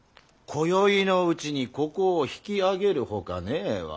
こよいのうちにここを引き揚げるほかねえわ。